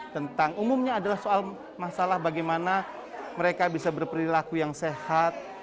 tentang umumnya adalah soal masalah bagaimana mereka bisa berperilaku yang sehat